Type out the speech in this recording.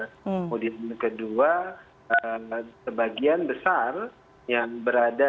kemudian kedua sebagian besar yang berada